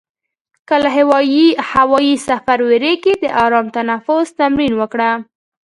که له هوایي سفر وېرېږې، د آرام تنفس تمرین وکړه.